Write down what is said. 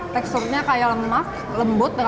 teksturnya kayak lembut